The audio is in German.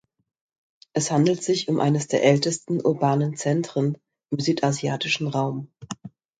Es handelt sich um eines der ältesten urbanen Zentren im südasiatischen Raum.